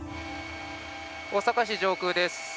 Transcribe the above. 大阪市上空です。